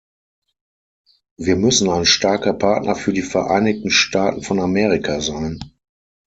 Wir müssen ein starker Partner für die Vereinigten Staaten von Amerika sein.